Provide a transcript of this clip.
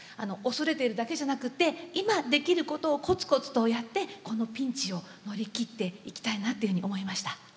恐れているだけじゃなくて今できることをコツコツとやってこのピンチを乗り切っていきたいなというふうに思いました。